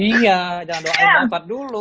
iya jangan doang aja wafat dulu